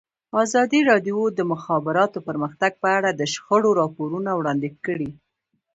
ازادي راډیو د د مخابراتو پرمختګ په اړه د شخړو راپورونه وړاندې کړي.